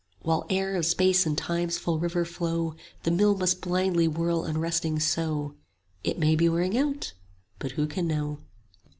"While air of Space and Time's full river flow The mill must blindly whirl unresting so: 40 It may be wearing out, but who can know?